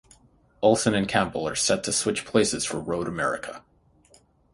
Olsen and Campbell are set to switch places for Road America.